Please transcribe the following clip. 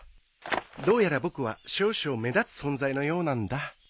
どうやら僕は少々目立つ存在のようなんだ。